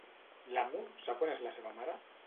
L'amo sap on és la seva mare?